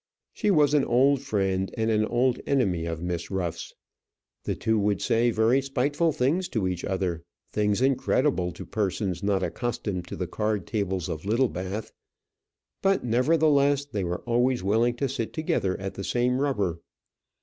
She was an old friend, and an old enemy of Miss Ruff's. The two would say very spiteful things to each other, things incredible to persons not accustomed to the card tables of Littlebath. But, nevertheless, they were always willing to sit together at the same rubber.